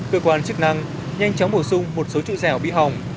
cơ quan chức năng nhanh chóng bổ sung một số trụ dẻo bị hỏng